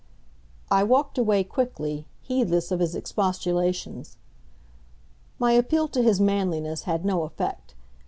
I walked away quickly, heedless of his expostulations. My appeal to his manliness had no effect.